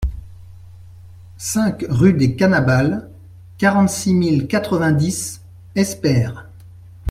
cinq rue des Canabals, quarante-six mille quatre-vingt-dix Espère